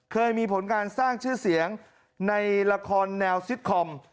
เคยมีผลการสร้างชื่อเสียงในละครแนวซิตคอม